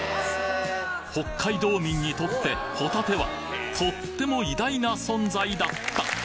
北海道民にとってホタテはとっても偉大な存在だった